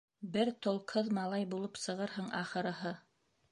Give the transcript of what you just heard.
Бер толкһыҙ малай булып сығырһың, ахырыһы!